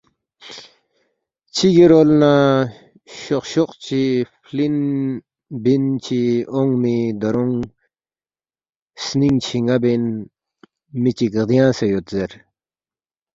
چگی رول نہ شوق شوق چی فلن بن چو اونگمی دارونگ سنینگ چھینا بین می چک غدیانگسے یود زیر